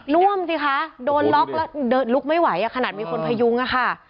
่วมสิคะโดนล็อกแล้วเดินลุกไม่ไหวขนาดมีคนพยุงอะค่ะ